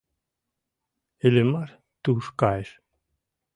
Иллимар туш кайыш.